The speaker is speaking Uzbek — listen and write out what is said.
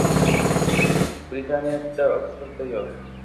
Britaniyada Oksfordda yo